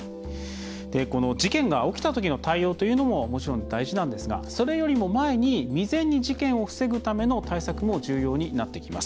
この事件が起きたときの対応というのももちろん大事なんですがそれよりも前に、未然に事件を防ぐための対策も重要になってきます。